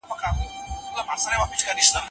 ایا واړه پلورونکي انځر اخلي؟